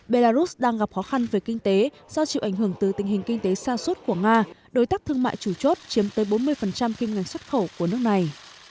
belarus đang gặp khó khăn về kinh tế do chịu ảnh hưởng từ tình hình kinh tế xa suốt của nga đối tác thương mại chủ chốt chiếm tới bốn mươi kim ngành xuất khẩu của nước này